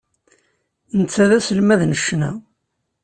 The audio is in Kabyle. Netta d aselmad n ccna.